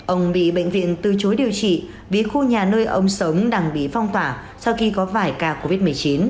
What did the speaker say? ông bị bệnh viện từ chối điều trị bí khu nhà nơi ông sống đang bị phong tỏa sau khi có vài ca covid một mươi chín